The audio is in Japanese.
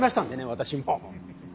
私も。